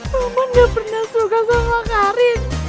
mama ga pernah suka sama karin